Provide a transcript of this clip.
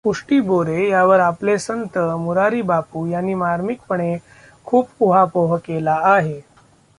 उष्टी बोरे यावर आपले संत मुरारी बापू यांनी मार्मिकपणे खूप ऊहापोह केला आहे.